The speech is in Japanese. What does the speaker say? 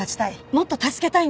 もっと助けたいんです。